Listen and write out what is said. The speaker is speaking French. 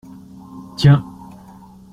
Tiens.